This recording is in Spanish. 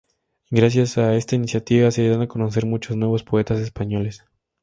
Gracias a esta iniciativa se dan a conocer muchos nuevos poetas españoles.